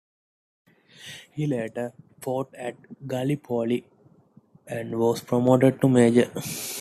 He later fought at Gallipoli, and was promoted to major.